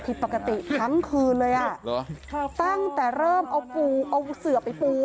ผิดปกติทั้งคืนเลยอ่ะเหรอตั้งแต่เริ่มเอาปูเอาเสือไปปู